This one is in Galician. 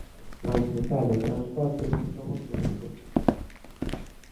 Mais metal e transporte non son os únicos.